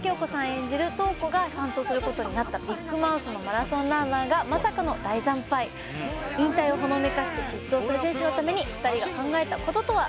演じる塔子が担当することになったビッグマウスのマラソンランナーがまさかの大惨敗引退をほのめかして失踪する選手のために２人が考えたこととは？